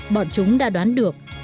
bọn chúng đã đoán được